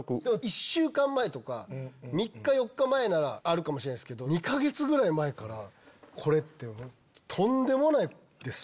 １週間前とか３日４日前ならあるかもしれないですけど２か月ぐらい前からこれってとんでもないですよ。